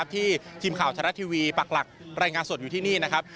ทีมข่าวชะละทีวีปักหลักรายงานสดอยู่ที่นี่นะครับ